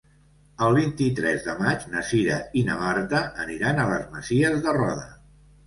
El vint-i-tres de maig na Cira i na Marta aniran a les Masies de Roda.